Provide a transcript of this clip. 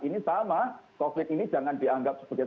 ini sama covid ini jangan dianggap sebagai